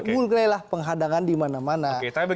mulai lah penghadangan di mana mana